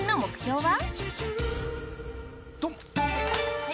はい。